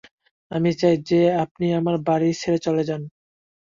আমি চাই যে আপনি আমার বাড়ি ছেড়ে চলে যান।